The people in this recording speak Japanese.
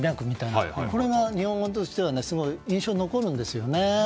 これが日本語としてはすごく印象に残るんですね。